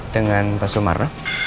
dengan pak sumarno